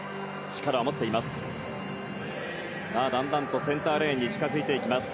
力を持っています。